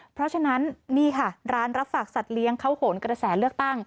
เพราะฉะนั้นนี่ค่ะร้านรับฝากสัตว์เลี้ยงเขาโหนกระแสเลือกตั้ง